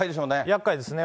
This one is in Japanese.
やっかいですね。